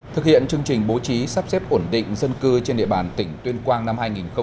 thực hiện chương trình bố trí sắp xếp ổn định dân cư trên địa bàn tỉnh tuyên quang năm hai nghìn hai mươi